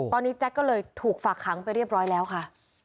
ตอนนี้แจ๊กก็เลยถูกฝากขังไปเรียบร้อยแล้วค่ะ